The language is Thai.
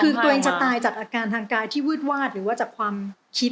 คือตัวเองจะตายจากอาการทางกายที่วืดวาดหรือว่าจากความคิด